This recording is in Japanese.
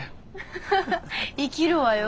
ハハッ生きるわよ。